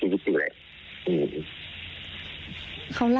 ไม่ตกใจเลย